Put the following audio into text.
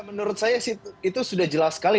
menurut saya itu sudah jelas sekali